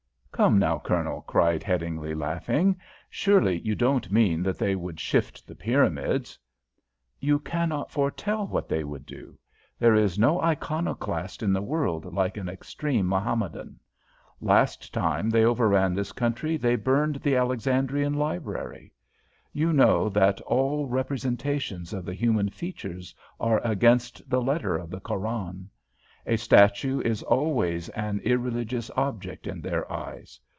"Come now, Colonel," cried Headingly, laughing, "surely you don't mean that they would shift the pyramids?" "You cannot foretell what they would do. There is no iconoclast in the world like an extreme Mohammedan. Last time they overran this country they burned the Alexandrian library. You know that all representations of the human features are against the letter of the Koran. A statue is always an irreligious object in their eyes.